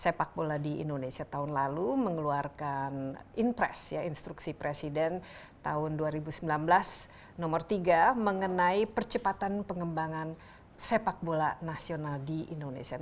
sepak bola di indonesia tahun lalu mengeluarkan impres ya instruksi presiden tahun dua ribu sembilan belas nomor tiga mengenai percepatan pengembangan sepak bola nasional di indonesia